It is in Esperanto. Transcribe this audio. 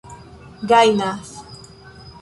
gajnas